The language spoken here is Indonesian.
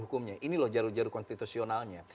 hukumnya ini loh jarum jaru konstitusionalnya